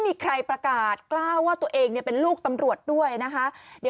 อยากให้เขาเจอบ้างว่าถ้าเขาเวิ่นใส่คนอื่นอยากให้เขารองเวิ่นใส่